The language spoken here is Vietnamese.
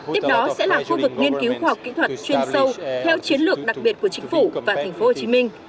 tiếp đó sẽ là khu vực nghiên cứu khoa học kỹ thuật chuyên sâu theo chiến lược đặc biệt của chính phủ và thành phố hồ chí minh